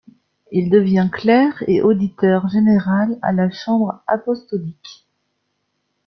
Il devient clerc et auditeur général à la chambre apostolique.